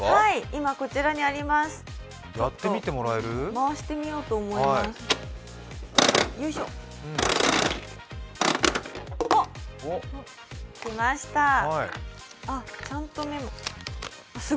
今、こちらにあります、回してみようと思います。